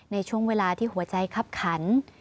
ในช่วงเวลาที่หัวใจคับขัน